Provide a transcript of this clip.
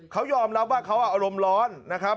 เขายอมรับว่าเขาอารมณ์ร้อนนะครับ